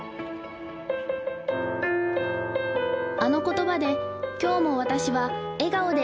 あの言葉で今日も私は笑顔で